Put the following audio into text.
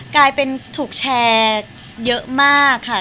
กลายเป็นถูกแชร์เยอะมากค่ะ